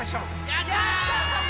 やった！